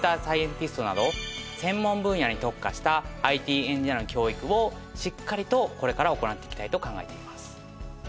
サイエンティストなど専門分野に特化したＩＴエンジニアの教育をしっかりとこれから行っていきたいと考えています。